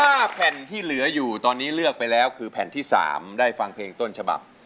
แผ่นที่เหลืออยู่ตอนนี้เลือกไปแล้วคือแผ่นที่สามได้ฟังเพลงต้นฉบับ